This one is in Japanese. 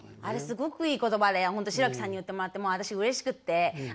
あれすごくいい言葉で本当志らくさんに言ってもらって私うれしくって。